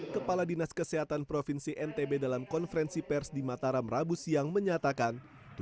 kepala dinas kesehatan provinsi ntb dalam konferensi pers di mataram rabu siang menyatakan